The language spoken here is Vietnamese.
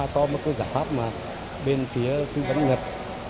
so với giải pháp mà bên phía tư vấn nhật